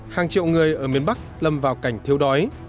hàng triệu người ở miền bắc lâm vào cảnh thiếu đói